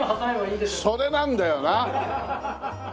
それなんだよな！